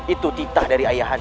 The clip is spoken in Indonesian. itu titah dari ayah anda